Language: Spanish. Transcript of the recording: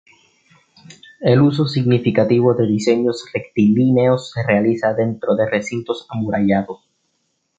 El uso significativo de diseños rectilíneos se realiza dentro de recintos amurallados.